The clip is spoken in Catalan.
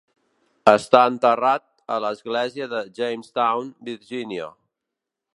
Està enterrat a l'església de Jamestown, Virginia.